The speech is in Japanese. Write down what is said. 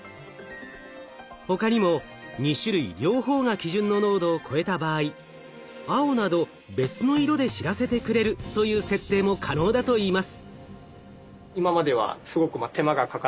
他にも２種類両方が基準の濃度を超えた場合青など別の色で知らせてくれるという設定も可能だといいます。